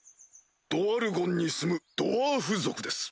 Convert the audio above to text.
ドワルゴンに住むドワーフ族です。